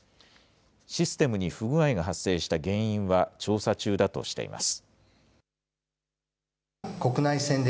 システムに不具合が発生した原因は調査中だとしています。